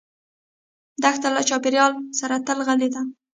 دښته له چاپېریال سره تل غلي ده.